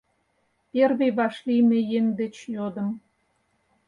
Первый вашлийме еҥ деч йодым: